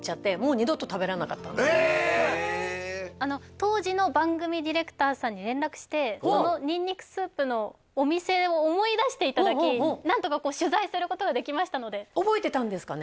当時の番組ディレクターさんに連絡してそのにんにくスープのお店を思い出していただき何とかこう取材することができましたので覚えてたんですかね？